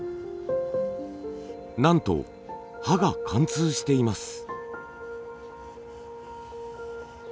なんと刃が貫通しています。